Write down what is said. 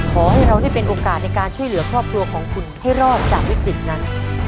ขอให้เราได้เป็นโอกาสในการช่วยเหลือครอบครัวของคุณให้รอดจากวิกฤตนั้น